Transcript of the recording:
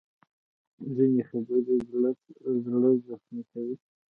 ځینې خبرې زړه زخمي کوي